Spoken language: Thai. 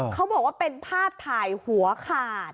เขาบอกว่าเป็นภาพถ่ายหัวขาด